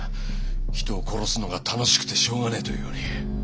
人を殺すのが楽しくてしょうがねえというように。